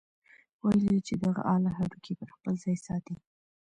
ويل يې چې دغه اله هډوکي پر خپل ځاى ساتي.